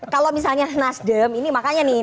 kalau misalnya nasdem ini makanya nih